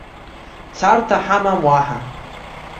Царҭа ҳамам уаҳа.